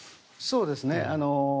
そうですね。